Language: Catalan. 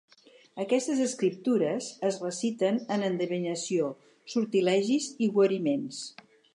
Aquestes escriptures es reciten en endevinació, sortilegis i guariments.